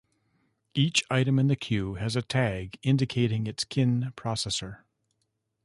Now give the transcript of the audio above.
Each item in the queue has a tag indicating its kin processor.